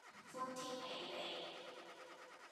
歡天喜地